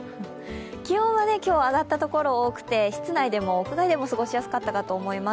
気温は今日上がった所多くて、室内でも屋外でも過ごしやすかったと思います。